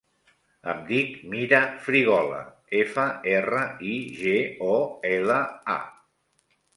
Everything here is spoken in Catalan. Em dic Mira Frigola: efa, erra, i, ge, o, ela, a.